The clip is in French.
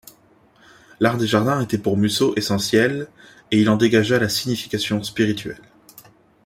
L'art des jardins était pour Musō essentiel et il en dégagea la signification spirituelle.